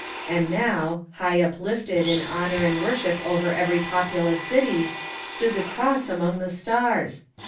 And now, high uplifted in honour and worship over every populous city, stood the cross among the stars!